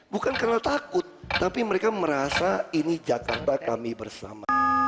bukan karena takut tapi mereka merasa ini jakarta kami bersama